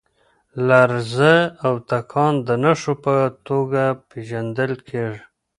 لرزه او تکان د نښو په توګه پېژندل کېږي.